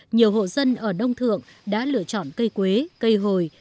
nhiều hộ dân ở nông thượng đã lựa chọn cây quế cây hồi